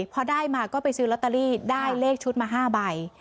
พอได้มาก็ไปซื้อลอตเตอรี่ได้เลขชุดมา๕ใบ